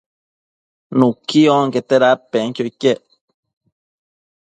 nuqui onquete dadpenquio iquec